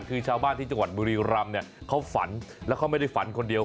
คือชาวบ้านที่จังหวัดบุรีรำเนี่ยเขาฝันแล้วเขาไม่ได้ฝันคนเดียว